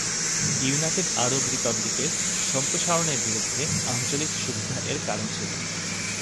United আরব রিপাবলিকের সম্প্রসারণের বিরুদ্ধে আঞ্চলিক সুবিধা এর কারণ ছিল।